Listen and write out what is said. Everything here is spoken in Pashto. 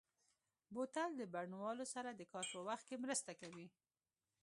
بوتل د بڼوالو سره د کار په وخت کې مرسته کوي.